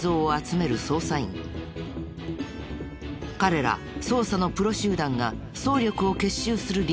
彼ら捜査のプロ集団が総力を結集する理由は。